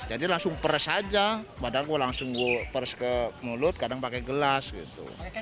jadi langsung pers aja padahal gue langsung pers ke mulut kadang pakai gelas gitu